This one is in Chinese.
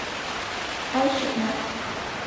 埃舍奈。